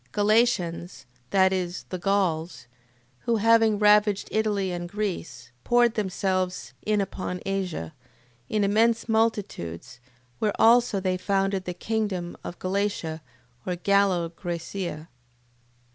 Galatians... That is, the Gauls, who having ravaged Italy and Greece, poured themselves in upon Asia, in immense multitudes, where also they founded the kingdom of Galatia or Gallo Graecia.